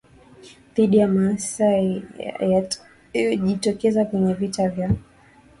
dhidi ya maasi yatayojitokeza kwenye vita vyao